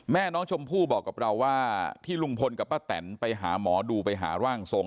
แม่น้องชมพู่บอกกับเราว่าที่ลุงพลกับป้าแตนไปหาหมอดูไปหาร่างทรง